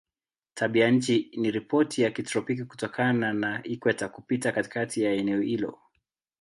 Tabianchi ni ya kitropiki kutokana na ikweta kupita katikati ya eneo hilo.